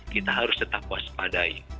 kita harus tetap waspadai